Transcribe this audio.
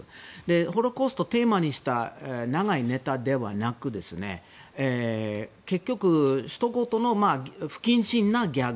ホロコーストをテーマにした長いネタではなく結局、ひと言の不謹慎なギャグ。